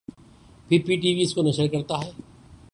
پھر P T V اس کو نشر کرتا ہے